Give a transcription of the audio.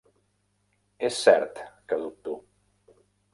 És cert que dubto.